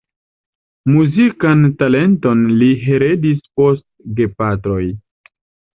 Muzikan talenton li heredis post gepatroj.